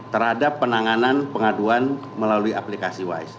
terhadap penanganan pengaduan melalui aplikasi wise